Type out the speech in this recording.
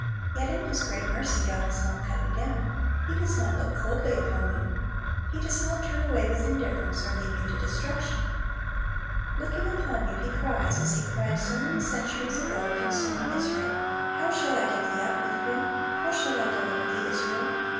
Yet in His great mercy God has not cut you down. He docs not look coldly upon you. He does not turn away with indifference, or leave you to 2i8 Christ's Object Lessons destruction. Looking upon you He cries, as He cried so many centuries ago concerning Israel, "How shall I give thee up, Ephraim? How shall I deliver thee, Israel?